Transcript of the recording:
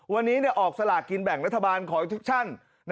วันนี้ออกสลากกินแบ่งรัฐบาลขออีกทุกชั่น